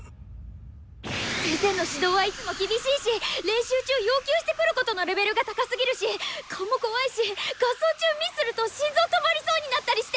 先生の指導はいつも厳しいし練習中要求してくることのレベルが高すぎるし顔も怖いし合奏中ミスすると心臓止まりそうになったりして。